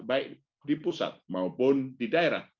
baik di pusat maupun di daerah